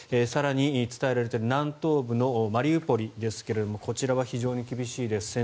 更に伝えられている南東部のマリウポリですがこちらは非常に厳しいです。